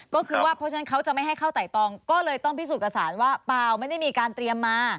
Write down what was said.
ก็คือว่าเพราะฉะนั้นเขาจะไม่ให้เข้าไต่ตองก็เลยต้องพิสูจน์กับสารว่าเปล่าไม่ได้มีการเตรียมมา